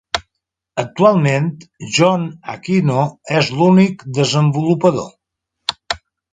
Actualment, Jon Aquino és l'únic desenvolupador.